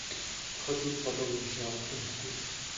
Бурхад юу ч болоогүй юм шиг амгалан мэлтийнэ.